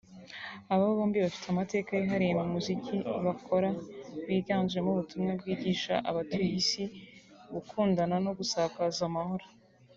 Aba bombi bafite amateka yihariye mu muziki bakora wiganjemo ubutumwa bwigisha abatuye Isi gukundana no gusakaza amahoro